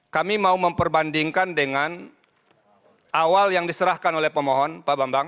kami mau memperbandingkan dengan awal yang diserahkan oleh pemohon pak bambang